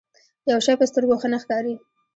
يو شی په سترګو ښه نه ښکاري.